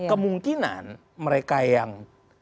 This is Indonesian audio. kemungkinan mereka yang